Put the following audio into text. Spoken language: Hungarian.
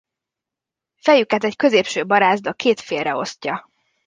Fejüket egy középső barázda két félre osztja.